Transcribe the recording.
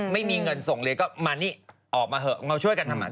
ไม่มีเงินส่งเรียนก็มานี่ออกมาเถอะมาช่วยกันทำไม